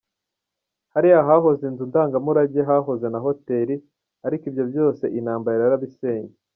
Hariya hahoze inzu ndangamurage, hahoze na Hotel, ariko ibyo byose intambara yarabisenye.